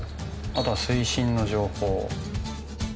あとは水深の情報。